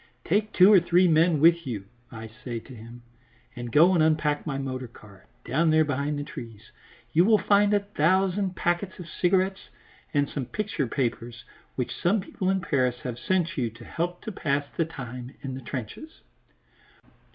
"Take two or three men with you," I say to him, "and go and unpack my motor car, down there behind the trees. You will find a thousand packets of cigarettes and some picture papers which some people in Paris have sent you to help to pass the time in the trenches."